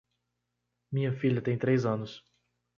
Minha filha tem três anos.